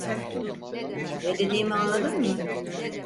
Ne dediğimi anladın mı?